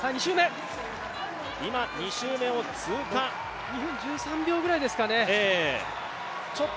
２周目を通過、２分１３秒くらいですかね。